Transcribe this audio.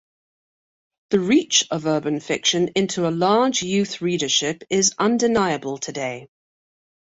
The reach of urban fiction into a large youth readership is undeniable today.